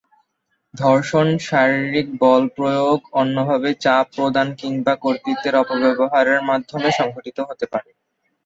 ধর্ষণ শারীরিক বলপ্রয়োগ, অন্যভাবে চাপ প্রদান কিংবা কর্তৃত্বের অপব্যবহারের মাধ্যমে সংঘটিত হতে পারে।